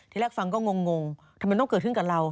ที่แรกฟังก็งงทำไมต้องเกิดขึ้นกับเรา